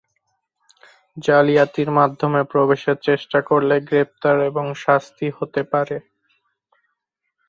জালিয়াতির মাধ্যমে প্রবেশের চেষ্টা করলে গ্রেফতার এবং শাস্তি হতে পারে।